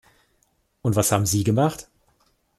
Und was haben Sie gemacht?